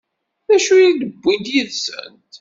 D acu i d-wwint yid-sent?